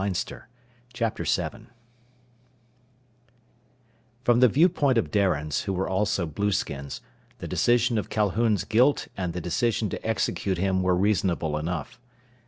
7 From the viewpoint of Darians, who were also blueskins, the decision of Calhoun's guilt and the decision to execute him were reasonable enough.